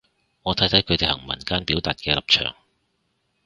我睇睇佢哋行文間表達嘅立場